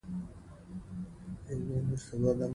هندوکش د افغانستان د هیوادوالو لپاره ویاړ دی.